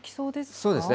そうですね。